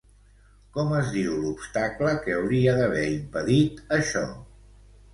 Com es diu l'obstacle que hauria d'haver impedit això?